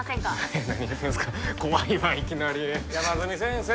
えっ何言うてるんですか怖いわいきなり山住先生